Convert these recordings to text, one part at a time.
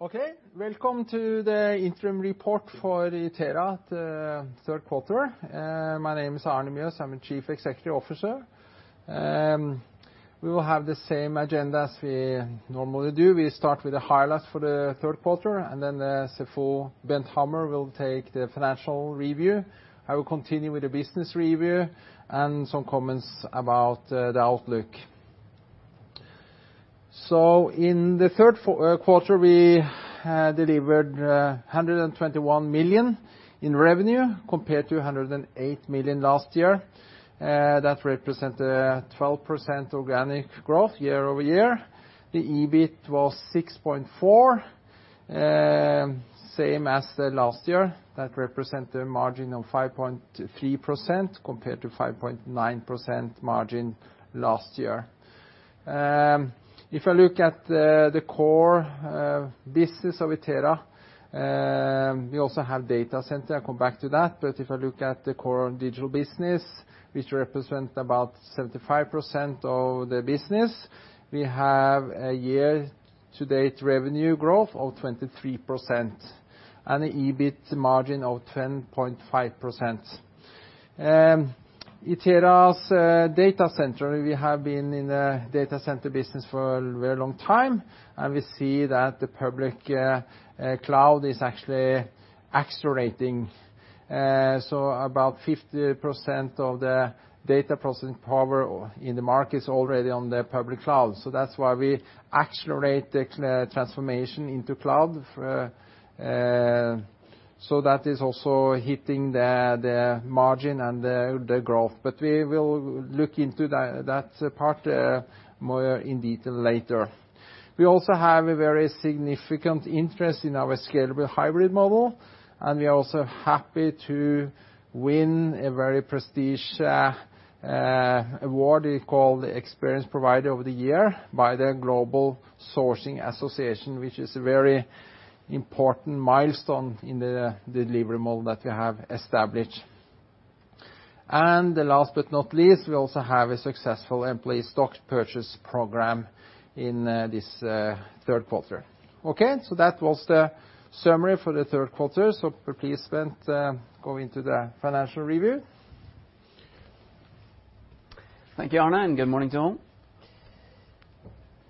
Okay, welcome to the interim report for Itera Third Quarter. My name is Arne Mjøs. I'm the Chief Executive Officer. We will have the same agenda as we normally do. We start with the highlights for the Third Quarter, and then CFO Bent Hammer will take the financial review. I will continue with the business review and some comments about the outlook. In the Third Quarter, we delivered 121 million in revenue compared to 108 million last year. That represents a 12% organic growth year over year. The EBIT was 6.4 million, same as last year. That represents a margin of 5.3% compared to 5.9% margin last year. If I look at the core business of Itera, we also have data center. I'll come back to that. But if I look at the core digital business, which represents about 75% of the business, we have a year-to-date revenue growth of 23% and an EBIT margin of 10.5%. Itera's data center, we have been in the data center business for a very long time, and we see that the public cloud is actually accelerating. So, about 50% of the data processing power in the market is already on the public cloud. So, that's why we accelerate the transformation into cloud. So, that is also hitting the margin and the growth. But we will look into that part more in detail later. We also have a very significant interest in our scalable hybrid model, and we are also happy to win a very prestigious award called Experience Provider of the Year by the Global Sourcing Association, which is a very important milestone in the delivery model that we have established, and last but not least, we also have a successful employee stock purchase program in this Third Quarter. Okay, so that was the summary for the Third Quarter, so please go into the financial review. Thank you, Arne, and good morning to all.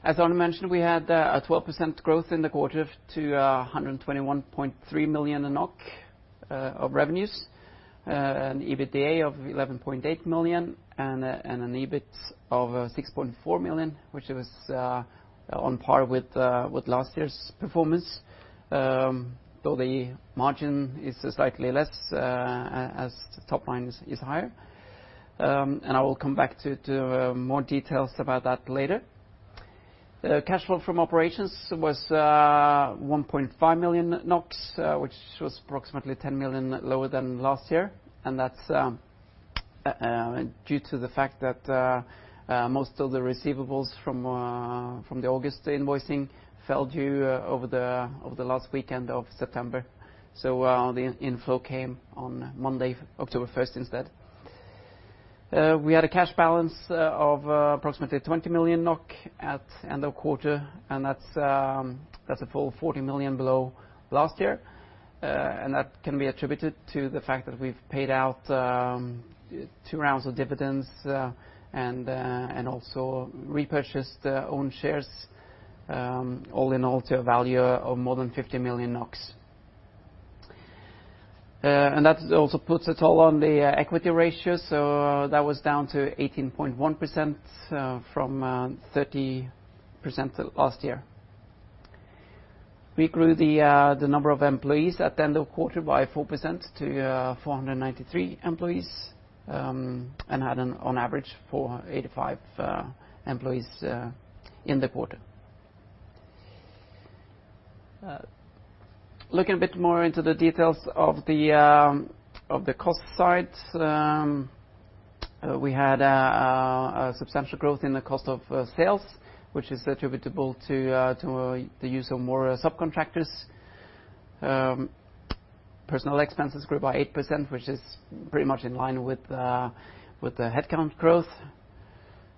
As Arne mentioned, we had a 12% growth in the quarter to 121.3 million of revenues, an EBITDA of 11.8 million, and an EBIT of 6.4 million, which was on par with last year's performance, though the margin is slightly less as the top line is higher. And I will come back to more details about that later. The cash flow from operations was 1.5 million NOK, which was approximately 10 million lower than last year. And that's due to the fact that most of the receivables from the August invoicing fell due over the last weekend of September. So, the inflow came on Monday, October 1st instead. We had a cash balance of approximately 20 million NOK at the end of the quarter, and that's a full 40 million below last year. That can be attributed to the fact that we've paid out two rounds of dividends and also repurchased own shares, all in all to a value of more than 50 million NOK. That also puts a toll on the equity ratio. That was down to 18.1% from 30% last year. We grew the number of employees at the end of the quarter by 4% to 493 employees and had on average 485 employees in the quarter. Looking a bit more into the details of the cost side, we had a substantial growth in the cost of sales, which is attributable to the use of more subcontractors. Personnel expenses grew by 8%, which is pretty much in line with the headcount growth.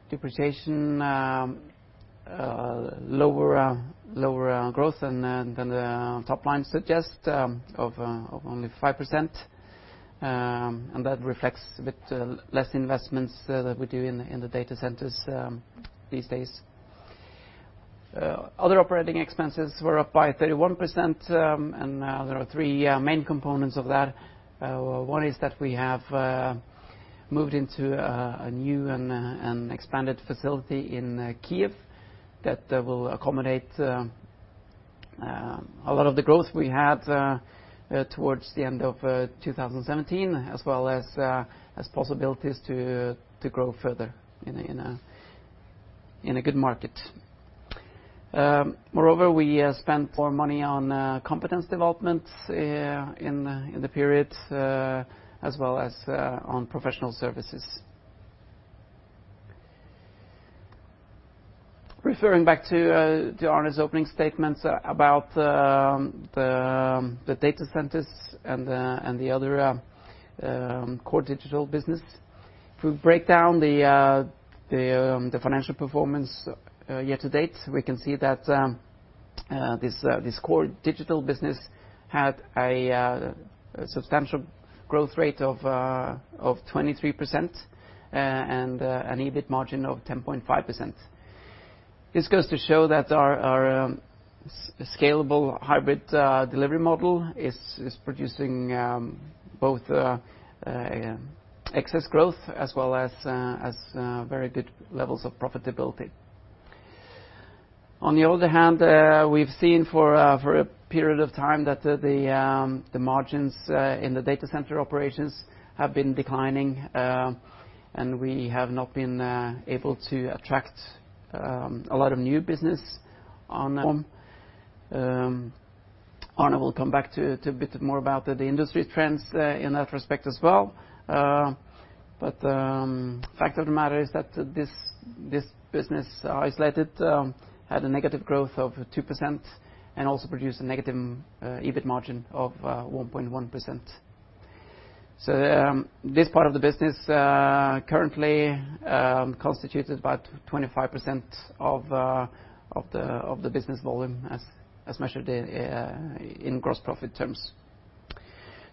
Depreciation, lower growth than the top line suggests of only 5%. That reflects a bit less investments that we do in the data centers these days. Other operating expenses were up by 31%. There are three main components of that. One is that we have moved into a new and expanded facility in Kyiv that will accommodate a lot of the growth we had towards the end of 2017, as well as possibilities to grow further in a good market. Moreover, we spent more money on competence development in the period, as well as on professional services. Referring back to Arne's opening statements about the data centers and the other core digital business, if we break down the financial performance year-to-date, we can see that this core digital business had a substantial growth rate of 23% and an EBIT margin of 10.5%. This goes to show that our scalable hybrid delivery model is producing both excess growth as well as very good levels of profitability. On the other hand, we've seen for a period of time that the margins in the data center operations have been declining, and we have not been able to attract a lot of new business on form. Arne will come back to a bit more about the industry trends in that respect as well, but the fact of the matter is that this business isolated had a negative growth of 2% and also produced a negative EBIT margin of 1.1%, so this part of the business currently constitutes about 25% of the business volume as measured in gross profit terms,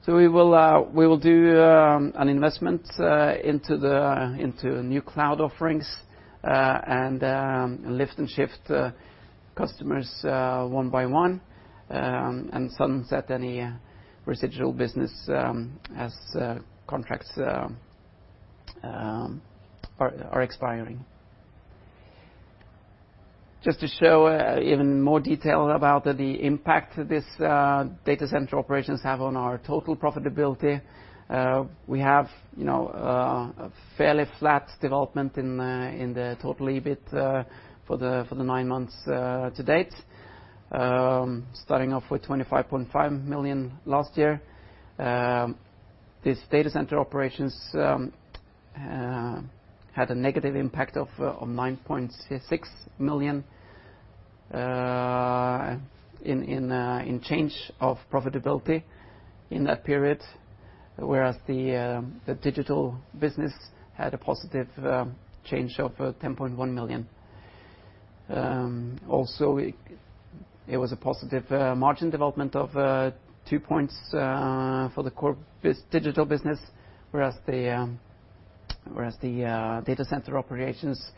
so we will do an investment into new cloud offerings and lift-and-shift customers one by one and sunset any residual business as contracts are expiring. Just to show even more detail about the impact this data center operations have on our total profitability, we have a fairly flat development in the total EBIT for the nine months to date, starting off with 25.5 million last year. This data center operations had a negative impact of 9.6 million in change of profitability in that period, whereas the digital business had a positive change of 10.1 million. Also, it was a positive margin development of two points for the core digital business, whereas the data center operations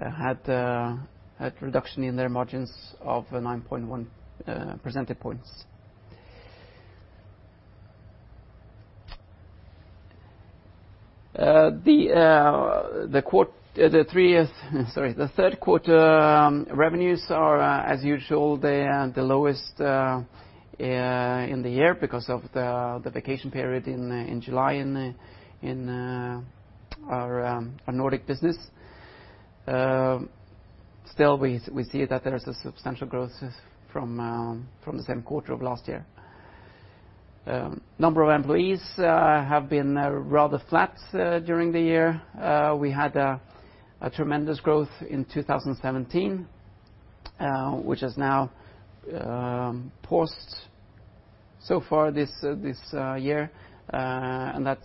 had a reduction in their margins of 9.1 percentage points. The Third Quarter revenues are, as usual, the lowest in the year because of the vacation period in July in our Nordic business. Still, we see that there's a substantial growth from the same quarter of last year. The number of employees has been rather flat during the year. We had a tremendous growth in 2017, which is now posted so far this year. That's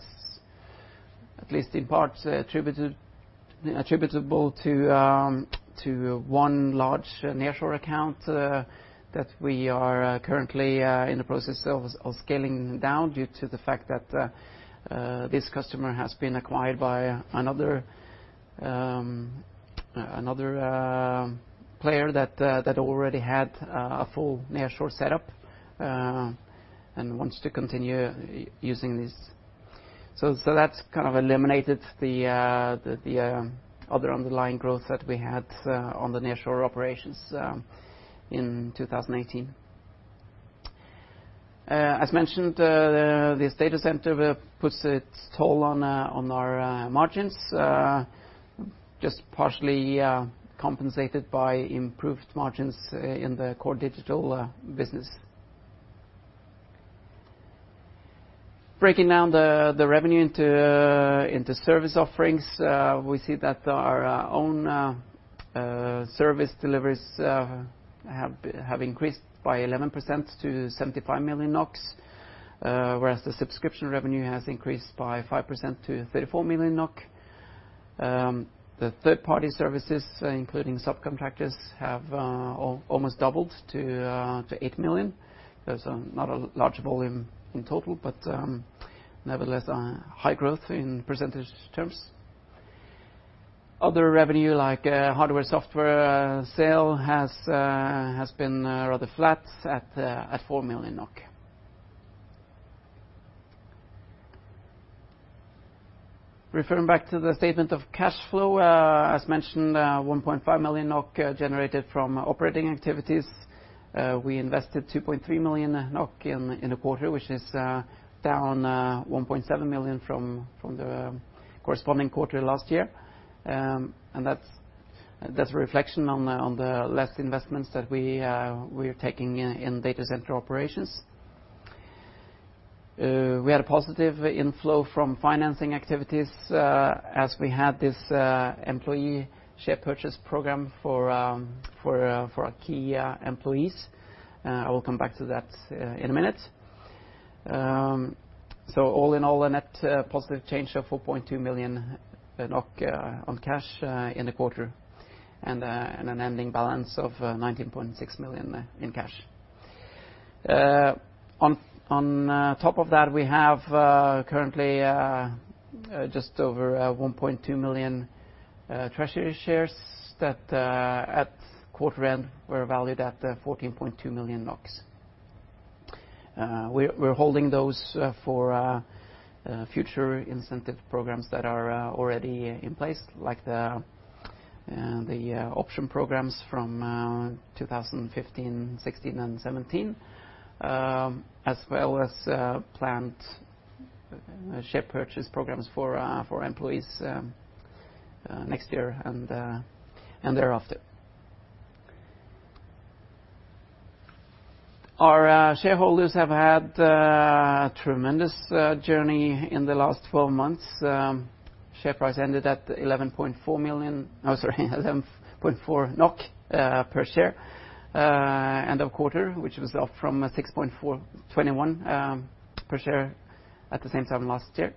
at least in part attributable to one large nearshore account that we are currently in the process of scaling down due to the fact that this customer has been acquired by another player that already had a full nearshore setup and wants to continue using this. That's kind of eliminated the other underlying growth that we had on the nearshore operations in 2018. As mentioned, this data center takes its toll on our margins, just partially compensated by improved margins in the core digital business. Breaking down the revenue into service offerings, we see that our own service deliveries have increased by 11% to 75 million NOK, whereas the subscription revenue has increased by 5% to 34 million NOK. The third-party services, including subcontractors, have almost doubled to 8 million NOK. So, not a large volume in total, but nevertheless, high growth in percentage terms. Other revenue, like hardware and software sales, has been rather flat at 4 million NOK. Referring back to the statement of cash flow, as mentioned, 1.5 million NOK generated from operating activities. We invested 2.3 million NOK in the quarter, which is down 1.7 million from the corresponding quarter last year. And that's a reflection on the less investments that we are taking in data center operations. We had a positive inflow from financing activities as we had this employee share purchase program for our key employees. I will come back to that in a minute. So, all in all, a net positive change of 4.2 million NOK on cash in the quarter and an ending balance of 19.6 million in cash. On top of that, we have currently just over 1.2 million treasury shares that at quarter end were valued at 14.2 million NOK. We're holding those for future incentive programs that are already in place, like the option programs from 2015, 2016, and 2017, as well as planned share purchase programs for employees next year and thereafter. Our shareholders have had a tremendous journey in the last 12 months. Share price ended at 11.4 per share end of quarter, which was up from 6.21 per share at the same time last year,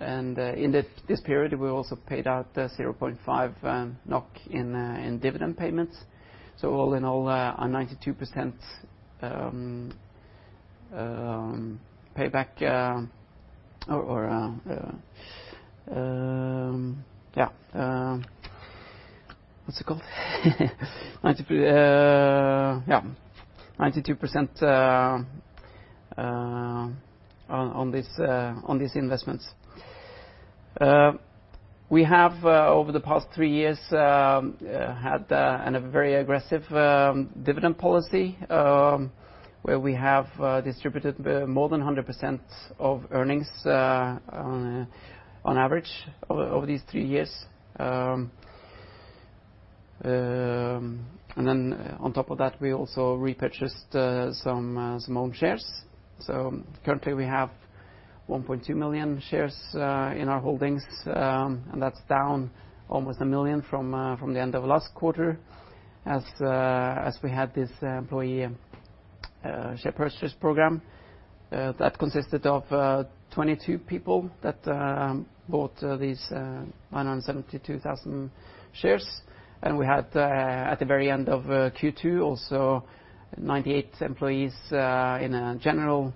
and in this period, we also paid out 0.5 NOK in dividend payments, so, all in all, a 92% payback or yeah, what's it called? 92% on these investments. We have, over the past three years, had a very aggressive dividend policy where we have distributed more than 100% of earnings on average over these three years. And then, on top of that, we also repurchased some of our own shares. So, currently, we have 1.2 million shares in our holdings, and that's down almost a million from the end of last quarter as we had this employee share purchase program that consisted of 22 people that bought these 172,000 shares. And we had, at the very end of Q2, also 98 employees in a general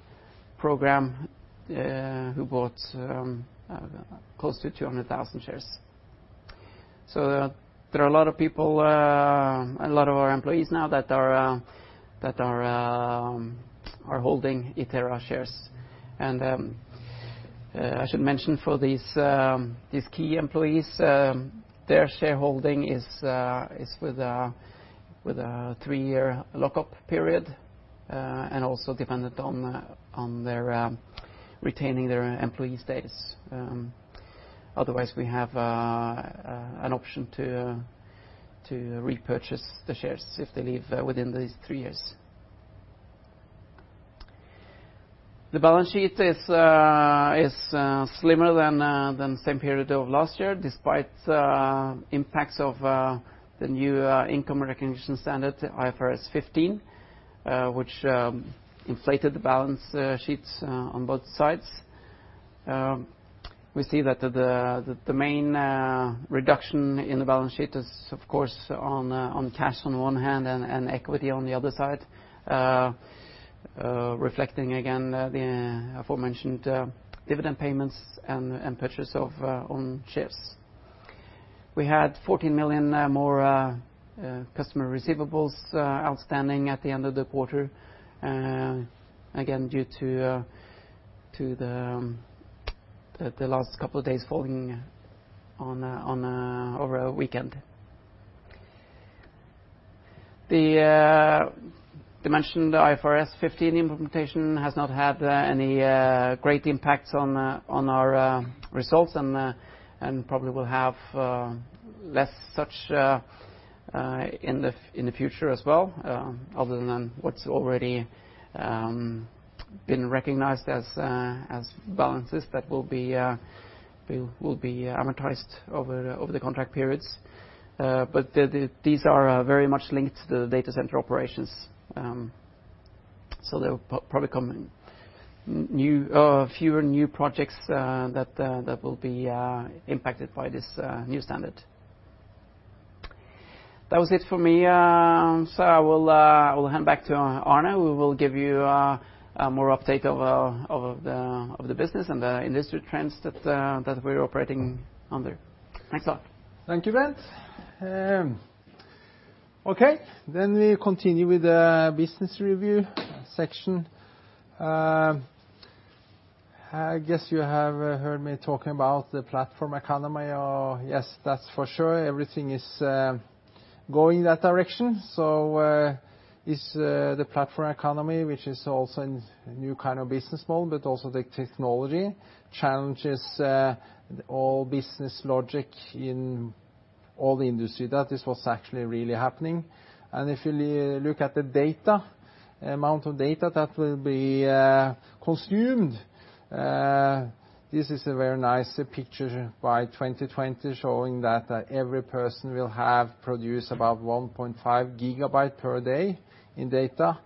program who bought close to 200,000 shares. So, there are a lot of people, a lot of our employees now that are holding Itera shares. And I should mention for these key employees, their shareholding is with a three-year lock-up period and also dependent on retaining their employee status. Otherwise, we have an option to repurchase the shares if they leave within these three years. The balance sheet is slimmer than the same period of last year, despite impacts of the new income recognition standard, IFRS 15, which inflated the balance sheets on both sides. We see that the main reduction in the balance sheet is, of course, on cash on one hand and equity on the other side, reflecting again the aforementioned dividend payments and purchase of own shares. We had 14 million more customer receivables outstanding at the end of the quarter, again due to the last couple of days falling over a weekend. The mentioned IFRS 15 implementation has not had any great impacts on our results and probably will have less such in the future as well, other than what's already been recognized as balances that will be amortized over the contract periods. But these are very much linked to the data center operations. So, there will probably come fewer new projects that will be impacted by this new standard. That was it for me. So, I will hand back to Arne. We will give you more update of the business and the industry trends that we're operating under. Thanks a lot. Thank you, Bent. Okay, then we continue with the business review section. I guess you have heard me talking about the platform economy. Yes, that's for sure. Everything is going in that direction. So, the platform economy, which is also a new kind of business model, but also the technology challenges all business logic in all the industry. That is what's actually really happening. If you look at the data, the amount of data that will be consumed, this is a very nice picture by 2020 showing that every person will have produced about 1.5 gigabytes per day in data.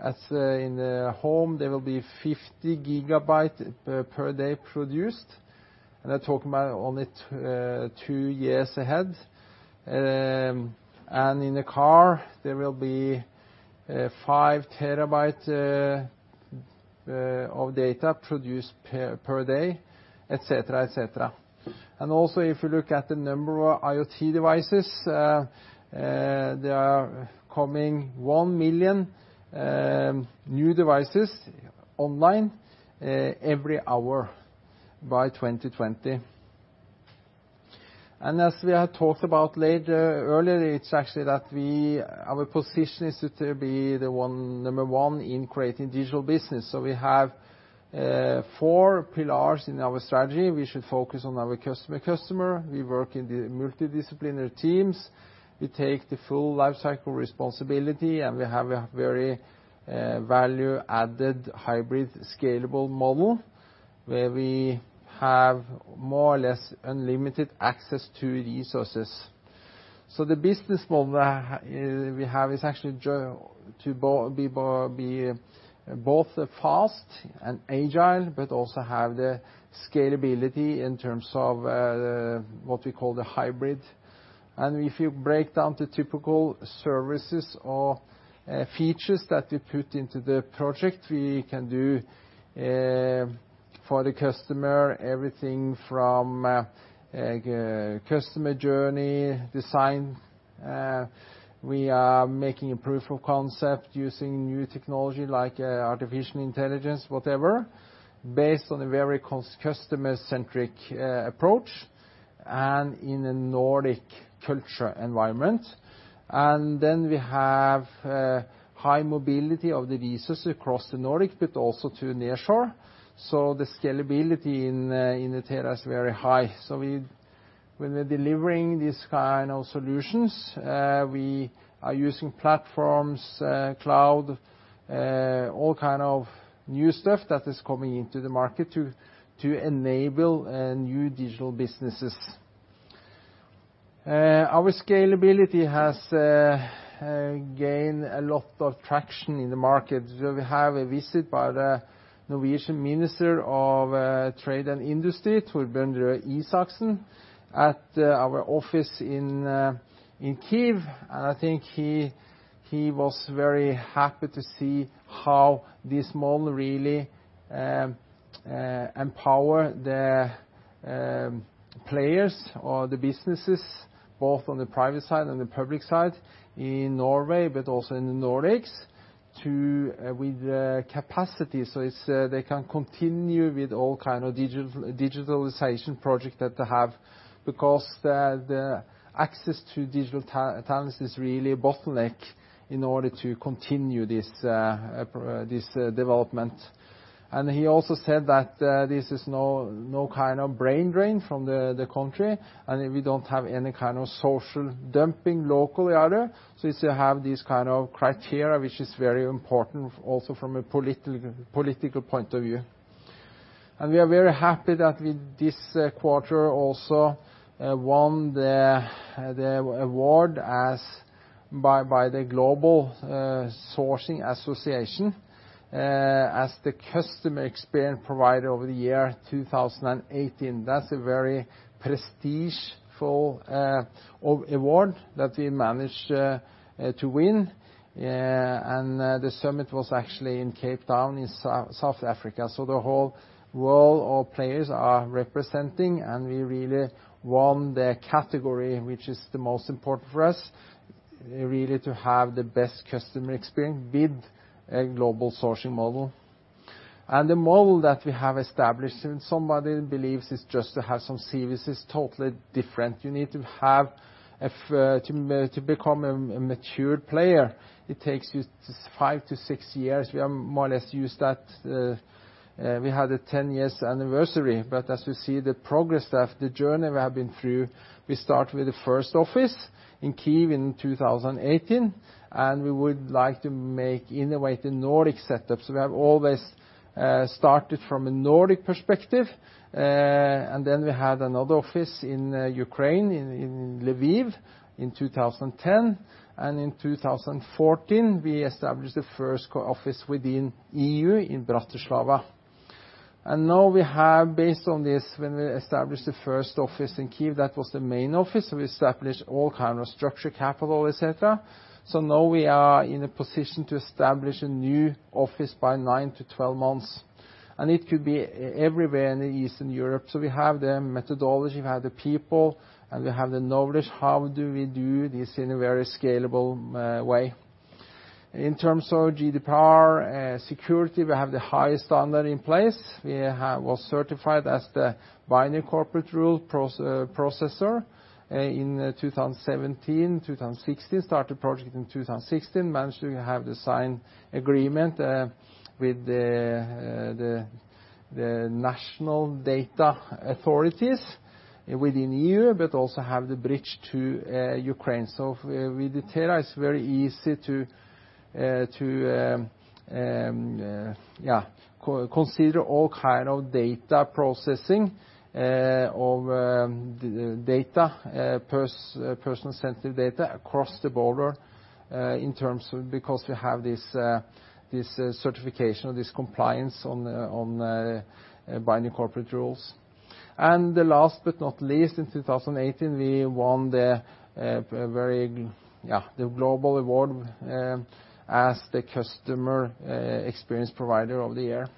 In the home, there will be 50 gigabytes per day produced. I'm talking about only two years ahead. In the car, there will be five terabytes of data produced per day, etc., etc. Also, if you look at the number of IoT devices, there are coming one million new devices online every hour by 2020. As we had talked about earlier, it's actually that our position is to be the number one in creating digital business. We have four pillars in our strategy. We should focus on our customer-customer. We work in multidisciplinary teams. We take the full lifecycle responsibility, and we have a very value-added hybrid scalable model where we have more or less unlimited access to resources, so the business model we have is actually to be both fast and agile, but also have the scalability in terms of what we call the hybrid, and if you break down the typical services or features that we put into the project, we can do for the customer everything from customer journey design. We are making a proof of concept using new technology like artificial intelligence, whatever, based on a very customer-centric approach and in a Nordic culture environment, and then we have high mobility of the resources across the Nordics, but also to nearshore, so the scalability in Itera is very high. When we're delivering these kinds of solutions, we are using platforms, cloud, all kinds of new stuff that is coming into the market to enable new digital businesses. Our scalability has gained a lot of traction in the market. We have a visit by the Norwegian Minister of Trade and Industry, Torbjørn Røe Isaksen, at our office in Kyiv. I think he was very happy to see how this model really empowers the players or the businesses, both on the private side and the public side in Norway, but also in the Nordics, with the capacity so they can continue with all kinds of digitalization projects that they have, because the access to digital talents is really a bottleneck in order to continue this development. He also said that this is no kind of brain drain from the country, and we don't have any kind of social dumping locally. You have these kinds of criteria, which is very important also from a political point of view. We are very happy that this quarter also won the award by the Global Sourcing Association as the Customer Experience Provider of the Year 2018. That's a very prestigious award that we managed to win. The summit was actually in Cape Town in South Africa. The whole world of players are representing, and we really won the category, which is the most important for us, really to have the best customer experience with a global sourcing model. The model that we have established, and somebody believes it's just to have some services totally different. You need to become a mature player. It takes you five to six years. We have more or less used that. We had a 10-year anniversary, but as you see the progress of the journey we have been through, we started with the first office in Kyiv in 2008, and we would like to make innovate the Nordic setup. So, we have always started from a Nordic perspective. And then we had another office in Ukraine, in Lviv, in 2010. And in 2014, we established the first office within the E.U. in Bratislava. And now we have, based on this, when we established the first office in Kyiv, that was the main office. So, we established all kinds of structure, capital, etc. So, now we are in a position to establish a new office by nine to 12 months. And it could be everywhere in Eastern Europe. So, we have the methodology, we have the people, and we have the knowledge. How do we do this in a very scalable way? In terms of GDPR security, we have the highest standard in place. We were certified as the Binding Corporate Rules Processor in 2017. 2016, started the project in 2016, managed to have the signed agreement with the national data authorities within the E.U., but also have the bridge to Ukraine. So, with Itera, it's very easy to consider all kinds of data processing of data, personal sensitive data across the border in terms of because we have this certification or this compliance on Binding Corporate Rules. And last but not least, in 2018, we won the global award as the Experience Provider of the Year.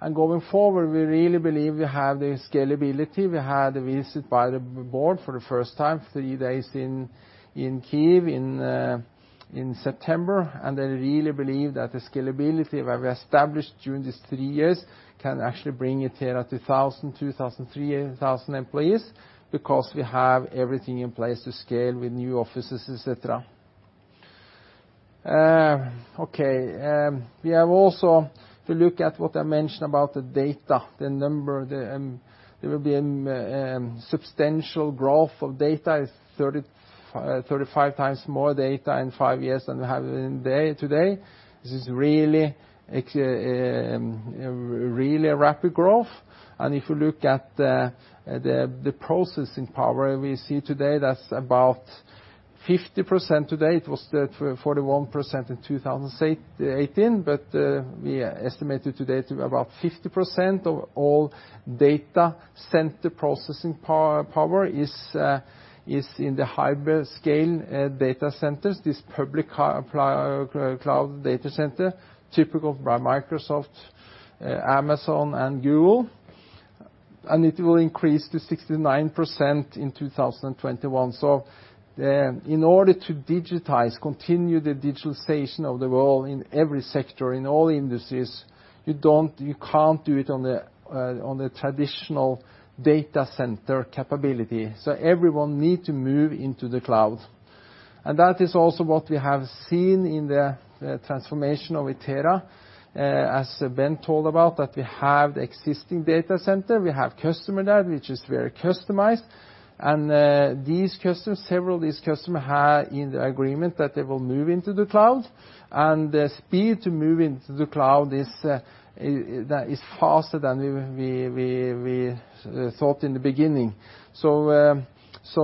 And going forward, we really believe we have the scalability. We had a visit by the board for the first time, three days in Kyiv in September. And I really believe that the scalability that we established during these three years can actually bring Itera to 1,000, 2,000, 3,000 employees because we have everything in place to scale with new offices, etc. Okay, we have also to look at what I mentioned about the data. There will be a substantial growth of data, 35 times more data in five years than we have today. This is really a rapid growth. And if you look at the processing power we see today, that's about 50% today. It was 41% in 2018, but we estimated today to be about 50% of all data center processing power is in the hybrid scale data centers, this public cloud data center typically by Microsoft, Amazon, and Google. And it will increase to 69% in 2021. So, in order to digitize, continue the digitalization of the world in every sector, in all industries, you can't do it on the traditional data center capability. So, everyone needs to move into the cloud. And that is also what we have seen in the transformation of Itera, as Bent told about, that we have the existing data center. We have customer data, which is very customized. And several of these customers have in the agreement that they will move into the cloud. And the speed to move into the cloud is faster than we thought in the beginning. So,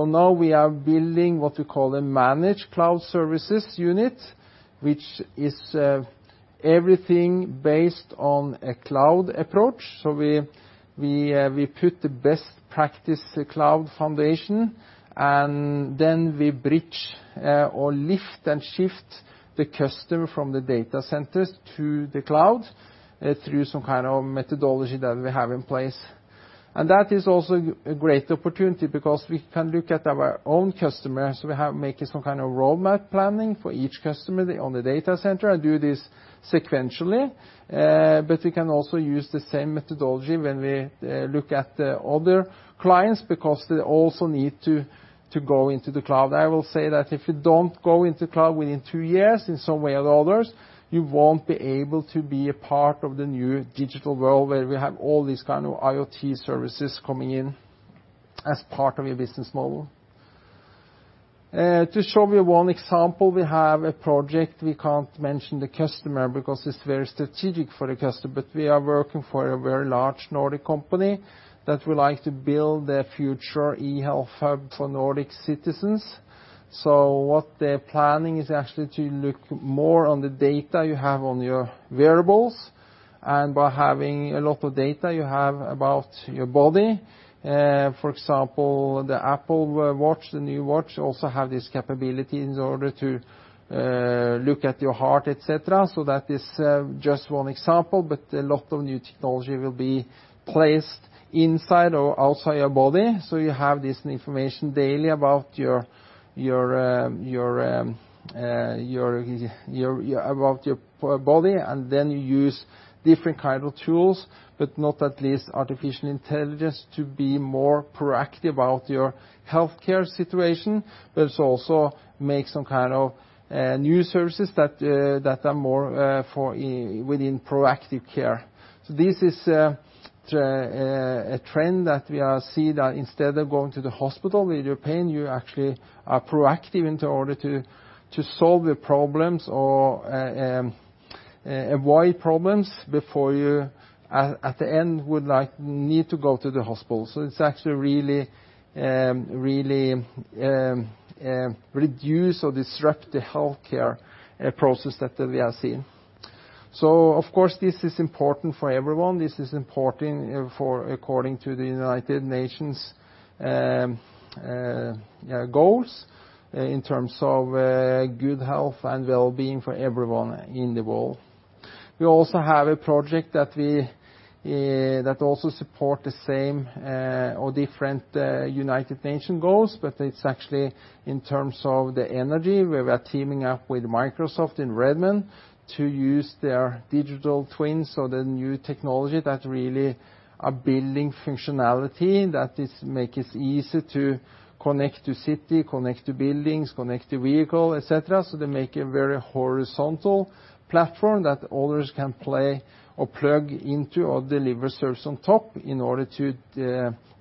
now we are building what we call a Managed Cloud Services unit, which is everything based on a cloud approach. We put the best practice cloud foundation, and then we bridge or lift-and-shift the customer from the data centers to the cloud through some kind of methodology that we have in place. That is also a great opportunity because we can look at our own customers. We have to make some kind of roadmap planning for each customer on the data center and do this sequentially. We can also use the same methodology when we look at other clients because they also need to go into the cloud. I will say that if you don't go into the cloud within two years in some way or others, you won't be able to be a part of the new digital world where we have all these kinds of IoT services coming in as part of your business model. To show you one example, we have a project. We can't mention the customer because it's very strategic for the customer, but we are working for a very large Nordic company that would like to build their future e-health hub for Nordic citizens, so what they're planning is actually to look more on the data you have on your wearables. And by having a lot of data, you have about your body. For example, the Apple Watch, the new watch, also has this capability in order to look at your heart, etc., so that is just one example, but a lot of new technology will be placed inside or outside your body. So, you have this information daily about your body, and then you use different kinds of tools, but not least artificial intelligence to be more proactive about your healthcare situation, but also make some kind of new services that are more within proactive care. So, this is a trend that we see that instead of going to the hospital with your pain, you actually are proactive in order to solve your problems or avoid problems before you, at the end, would need to go to the hospital. So, it's actually really reduced or disrupted the healthcare process that we have seen. So, of course, this is important for everyone. This is important according to the United Nations Sustainable Development Goals in terms of good health and well-being for everyone in the world. We also have a project that also supports the same or different United Nations Sustainable Development Goals, but it's actually in terms of the energy where we are teaming up with Microsoft in Redmond to use their digital twins, so the new technology that really is building functionality that makes it easy to connect to cities, connect to buildings, connect to vehicles, etc. So, they make a very horizontal platform that others can play or plug into or deliver service on top in order to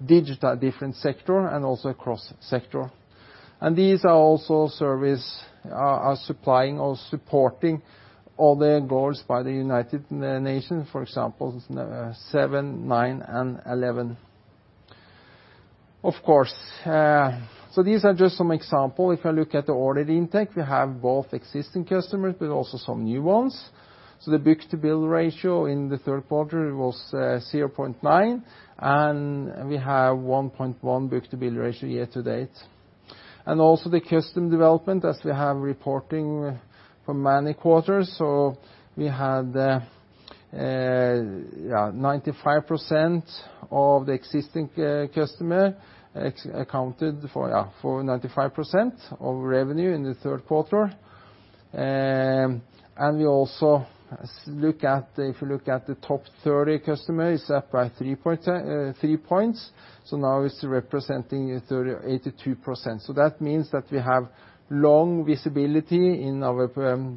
digitize different sectors and also across sectors. And these are also services supplying or supporting all the goals by the United Nations, for example, seven, nine, and 11. Of course, so these are just some examples. If I look at the order intake, we have both existing customers, but also some new ones. So, the book-to-bill ratio in the Third Quarter was 0.9, and we have 1.1 book-to-bill ratio year-to-date. And also the customer development, as we have reporting for many quarters. So, we had 95% of the existing customers accounted for 95% of revenue in the Third Quarter. And we also look at, if you look at the top 30 customers, it's up by three points. So, now it's representing 82%. So, that means that we have long visibility in our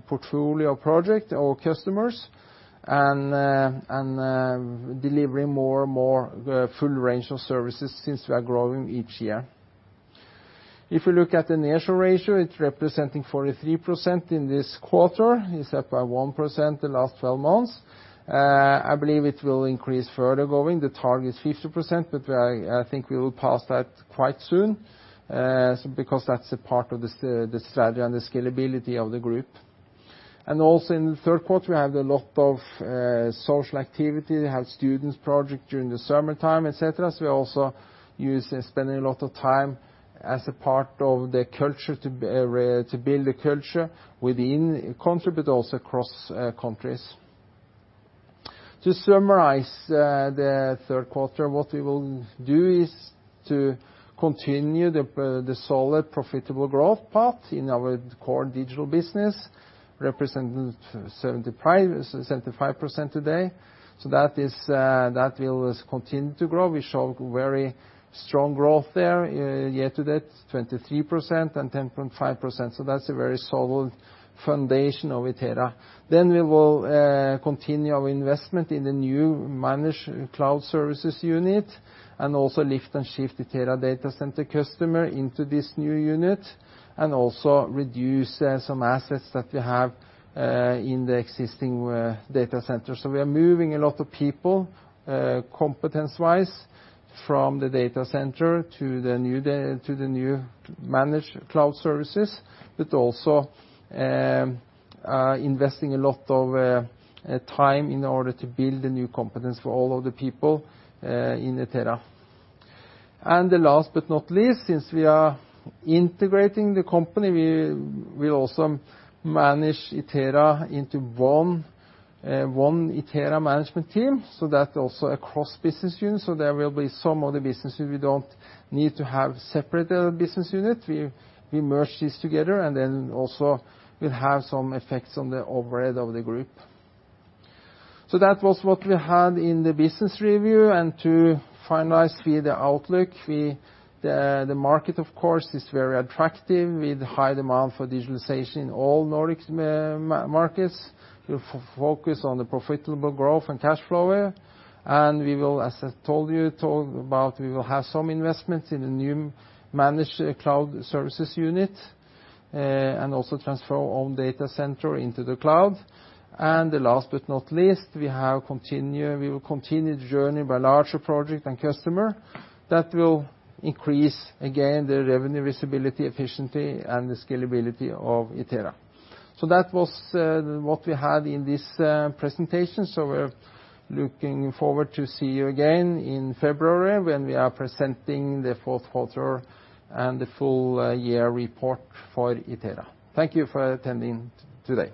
portfolio project or customers and delivering more and more full range of services since we are growing each year. If you look at the nearshore ratio, it's representing 43% in this quarter. It's up by 1% the last 12 months. I believe it will increase further going forward. The target is 50%, but I think we will pass that quite soon because that's a part of the strategy and the scalability of the group, and also in the Third Quarter, we have a lot of social activity. We have a students' project during the summertime, etc. So, we also use spending a lot of time as a part of the culture to build the culture within the country, but also across countries. To summarize the Third Quarter, what we will do is to continue the solid profitable growth path in our core digital business, representing 75% today, so that will continue to grow. We show very strong growth there year-to-date, 23% and 10.5%, so that's a very solid foundation of Itera. Then we will continue our investment in the new managed cloud services unit and also lift-and-shift the Itera data center customer into this new unit and also reduce some assets that we have in the existing data center. So, we are moving a lot of people competence-wise from the data center to the new managed cloud services, but also investing a lot of time in order to build the new competence for all of the people in Itera, and last but not least, since we are integrating the company, we will also manage Itera into one Itera management team. So, that's also a cross-business unit. So, there will be some of the business units we don't need to have separate business units. We merge these together and then also will have some effects on the overhead of the group. So, that was what we had in the business review. And to finalize the outlook, the market, of course, is very attractive with high demand for digitalization in all Nordic markets. We will focus on the profitable growth and cash flow. And we will, as I told you about, we will have some investments in the new managed cloud services unit and also transfer our own data center into the cloud. And last but not least, we will continue the journey by larger projects and customers that will increase again the revenue visibility, efficiency, and the scalability of Itera. So, that was what we had in this presentation. So, we're looking forward to seeing you again in February when we are presenting the Fourth Quarter and the full year report for Itera. Thank you for attending today.